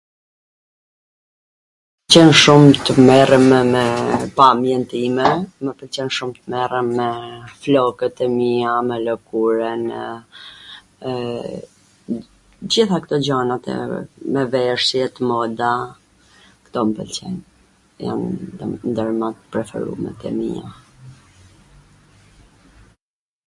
Mw pwlqen shum tw merrem me pamjen time, mw pwlqen shum tw merrem me flokwt e mia, me lwkurwnw, gjith akto gjanat, me veshjet, moda, kto m pwlqejn.